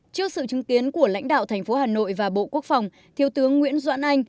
trước sự chứng kiến của lãnh đạo thành phố hà nội và bộ quốc phòng thiếu tướng nguyễn doãn anh